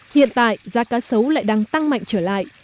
hiện tại giá cá sấu lại đang tăng mạnh trở lại